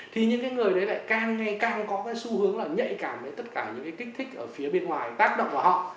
thì những người đấy lại càng ngay càng có cái xu hướng nhạy cảm với tất cả những kích thích ở phía bên ngoài tác động vào họ